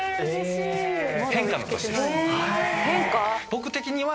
僕的には。